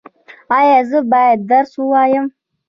ایا زه باید درس ووایم؟